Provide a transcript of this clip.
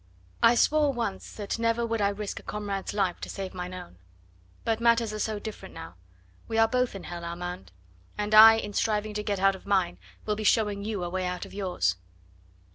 I swore once that never would I risk a comrade's life to save mine own; but matters are so different now... we are both in hell, Armand, and I in striving to get out of mine will be showing you a way out of yours.